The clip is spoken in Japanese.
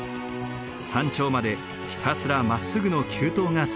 山頂までひたすらまっすぐの急登が続く。